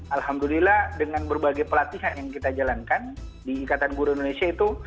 alhamdulillah dengan berbagai pelatihan yang kita jalankan di ikatan guru indonesia itu